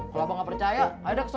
kalau abang gak percaya ayo deh ke sana